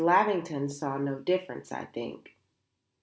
Lavington saw no difference, I think."